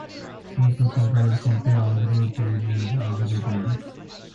Simple comparisons compare one group mean with one other group mean.